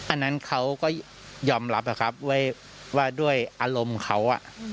อันนั้นเขาก็ยอมรับว่าด้วยอารมณ์เขา